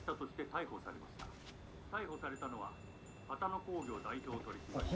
逮捕されたのは波多野興業代表取締役」。